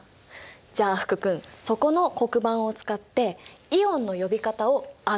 じゃあ福君そこの黒板を使ってイオンの呼び方を穴埋めしてみようか！